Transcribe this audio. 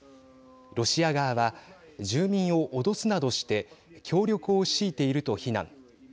ロシア側は、住民を脅すなどして協力を強いていると非難。